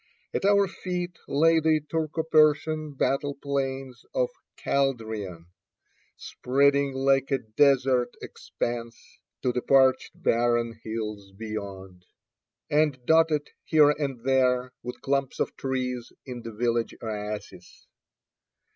At our feet lay the Turco Persian battle plains of Chaldiran, spreading like a desert expanse to the parched barren hills beyond, and dotted here and there with clumps of trees in the village oases.